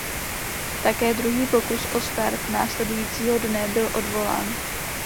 Také druhý pokus o start následujícího dne byl odvolán.